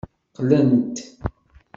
Qlan-t.